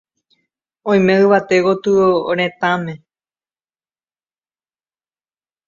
Oime yvate gotyo retãme.